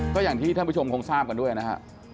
ก็อย่างที่ท่านผู้ชมคงทราบกันด้วยนะฮะ